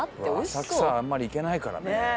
浅草あんまり行けないからね。